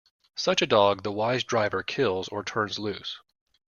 Such a dog the wise driver kills, or turns loose.